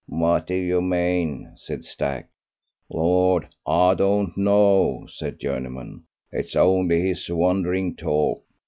"What do he mean?" said Stack. "Lord, I don't know," said Journeyman. "It's only his wandering talk."